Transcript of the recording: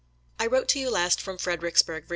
I WROTE to you last from Fredericksburg, Va.